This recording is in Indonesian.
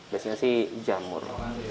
biasanya sih jamur